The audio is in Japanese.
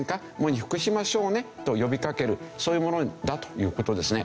喪に服しましょうねと呼びかけるそういうものだという事ですね。